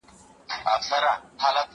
ايا ته وخت نيسې،